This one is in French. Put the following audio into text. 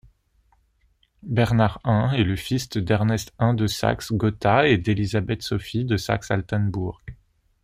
Bernard I est le fils de d'Ernest I de Saxe-Gotha et d'Élisabeth-Sophie de Saxe-Altenbourg.